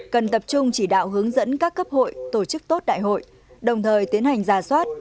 cần tập trung chỉ đạo hướng dẫn các cấp hội tổ chức tốt đại hội đồng thời tiến hành ra soát